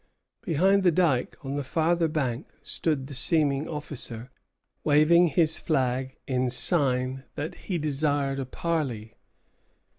Behind the dike on the farther bank stood the seeming officer, waving his flag in sign that he desired a parley.